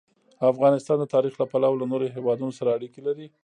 افغانستان د تاریخ له پلوه له نورو هېوادونو سره اړیکې لري.